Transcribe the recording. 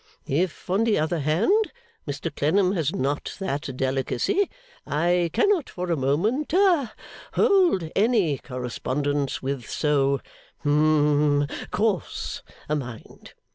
If, on the other hand, Mr Clennam has not that delicacy, I cannot for a moment ha hold any correspondence with so hum coarse a mind.